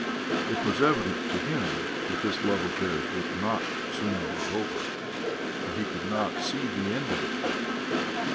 It was evident to him that this love of theirs would not soon be over, that he could not see the end of it.